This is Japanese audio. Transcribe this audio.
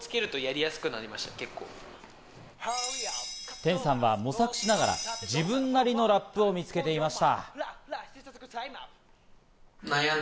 テンさんは模索しながら自分なりのラップを見つけていました。